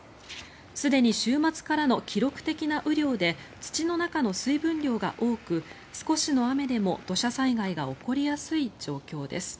すでに週末からの記録的な雨量で土の中の水分量が多く少しの雨でも土砂災害が起こりやすい状況です。